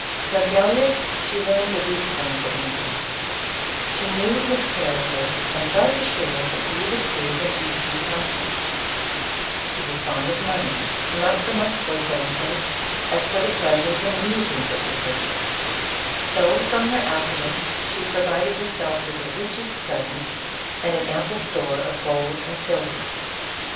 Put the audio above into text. From Dellius she learned the weak points of Antony : she knew his character, and felt assured he would prove an easy con quest, lie was fond of money, not so much for its own sake, as for the pleasures and amusements it could purchase ;— so from her affluence, she provided herself with the richest presents, and an ample store of gold and silver.